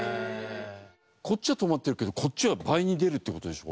こっちは止まってるけどこっちは倍に出るって事でしょ？